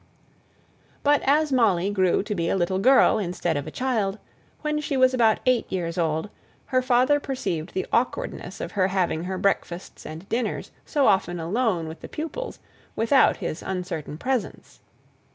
But as Molly grew to be a little girl instead of a child, when she was about eight years old, her father perceived the awkwardness of her having her breakfasts and dinners so often alone with the pupils, without his uncertain presence.